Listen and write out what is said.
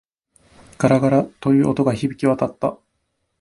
ガラガラ、という音が響き渡った。